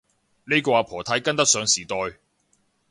呢個阿婆太跟得上時代